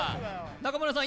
中村さん